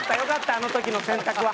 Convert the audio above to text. あの時の選択は。